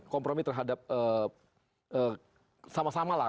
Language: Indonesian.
kompromi terhadap sama sama lah